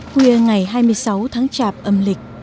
khuya ngày hai mươi sáu tháng chạp âm lịch